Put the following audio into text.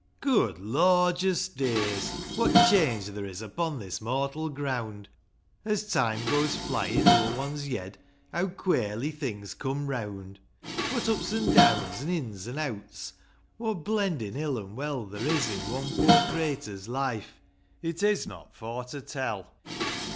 OOD lorjus days,' what change there is Upon this mortal ground ; As time goes flyin' o'er one's yed,' Heaw quarely things come reawnd ; What ups an' deawns, an' ins an' eawts; — What blendin' ill an' well There is i' one poor crayter's' life, — It is not for to tell